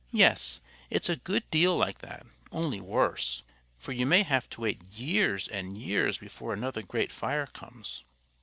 Yes it's a good deal like that, only worse. For you may have to wait years and years before another great fire comes.